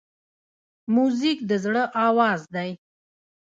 موزیک د زړه آواز دی.